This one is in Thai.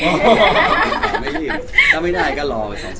โอ้ไม่ได้ถ้าไม่ได้ก็รออีก๒๓วัน